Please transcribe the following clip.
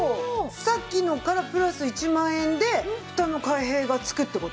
さっきのからプラス１万円でフタの開閉が付くって事？